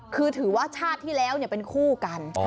คือถือว่าชาติที่แล้วเป็นคู่กัน